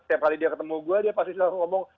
setiap kali dia ketemu gue dia pasti langsung ngomong